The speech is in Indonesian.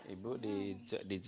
ibu di jawa